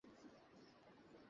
মানে আমরা খুবই খুশি হয়েছি।